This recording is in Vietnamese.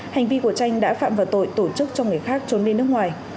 hành vi của tranh đã phạm vào tội tổ chức cho người khác trốn đi nước ngoài